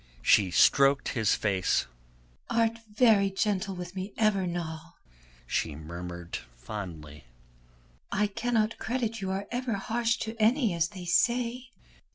She stroked his face. "Art very gentle with me ever, Noll," she murmured fondly. "I cannot credit you are ever harsh to any, as they say."